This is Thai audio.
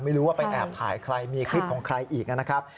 ไม่รู้ว่าไปแอบถ่ายใครมีคลิปของใครอีกนะครับ